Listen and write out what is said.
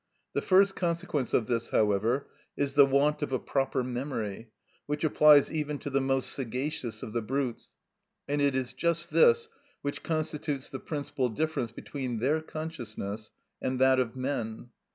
The first consequence of this, however, is the want of a proper memory, which applies even to the most sagacious of the brutes, and it is just this which constitutes the principal difference between their consciousness and that of men.